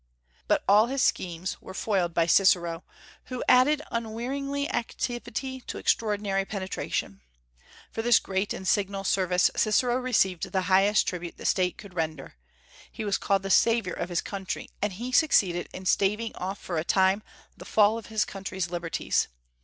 But all his schemes were foiled by Cicero, who added unwearied activity to extraordinary penetration. For this great and signal service Cicero received the highest tribute the State could render. He was called the savior of his country; and he succeeded in staving off for a time the fall of his country's liberties.